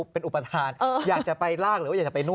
เป็นอุปทานอยากจะไปลากหรือว่าอยากจะไปนว